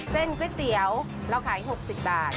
ก๋วยเตี๋ยวเราขาย๖๐บาท